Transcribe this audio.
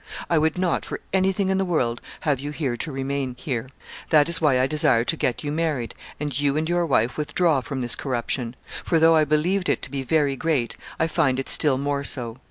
I would not, for anything in the world, have you here to remain here. That is why I desire to get you married, and you and your wife withdraw from this corruption; for though I believed it to be very great, I find it still more so.